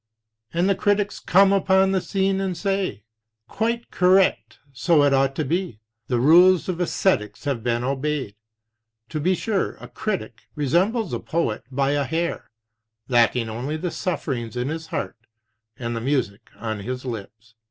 And the critics come upon the scene and say: Quite correct, so it ought to be; the rules of esthetics have been obeyed. To be sure, a critic resembles a poet by a hair, lacking only the sufferings in his heart and the music on his lips.